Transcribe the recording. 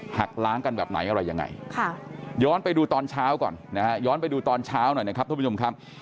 หักล้างกันแบบไหนอะไรยังไงย้อนไปดูตอนเช้าก่อนนะฮะย้อนไปดูตอนเช้าหน่อยนะครับทุกผู้ชมครับ